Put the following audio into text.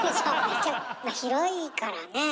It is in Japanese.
まあ広いからね。